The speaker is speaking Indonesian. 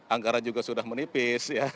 anggaran juga sudah menipis